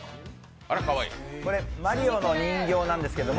これ、マリオの人形なんですけど